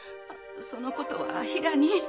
そのことは平に。